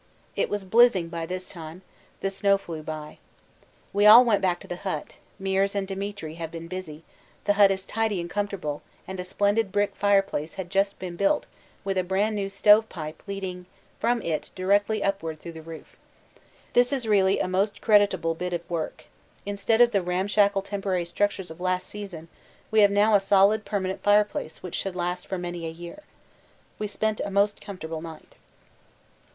It was blizzing by this time; the snow flew by. We all went back to the hut; Meares and Demetri have been busy, the hut is tidy and comfortable and a splendid brick fireplace had just been built with a brand new stove pipe leading from it directly upward through the roof. This is really a most creditable bit of work. Instead of the ramshackle temporary structures of last season we have now a solid permanent fireplace which should last for many a year. We spent a most comfortable night.